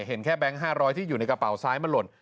เห็นแค่แก๊ง๕๐๐ที่อยู่ในกระเป๋าซ้ายมันหล่น